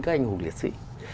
các anh hùng liệt sĩ